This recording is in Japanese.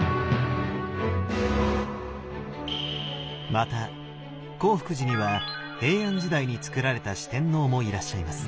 また興福寺には平安時代につくられた四天王もいらっしゃいます。